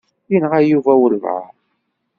Yenɣa Yuba walebɛaḍ.